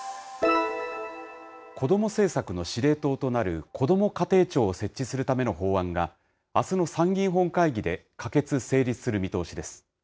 子ども政策の司令塔となるこども家庭庁を設置するための法案が、あすの参議院本会議で可決・成立する見通しです。